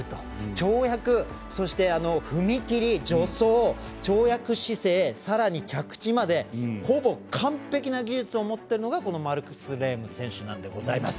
跳躍そして踏み切り、助走跳躍姿勢、さらに着地までほぼ完璧な技術を持っているのがこのマルクス・レーム選手なんでございます。